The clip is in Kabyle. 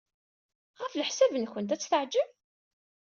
Ɣef leḥsab-nwent, ad t-teɛjeb?